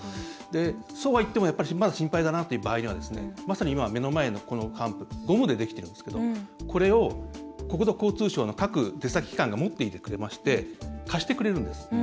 そうはいってもまだ心配だなという場合にはまさに今目の前のハンプゴムでできてるんですけどこれを国土交通省の各出先機関が持っていて貸してくれるんです。